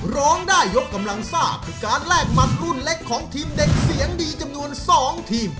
ร้องได้ยกกำลังซ่าคือการแลกหมัดรุ่นเล็กของทีมเด็กเสียงดีจำนวน๒ทีม